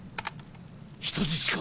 人質か！